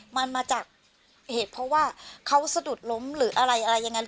มันมาจากเหตุเพราะว่าเขาสะดุดล้มหรืออะไรอะไรยังไง